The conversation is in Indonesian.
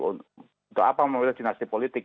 untuk apa memilih dinasti politik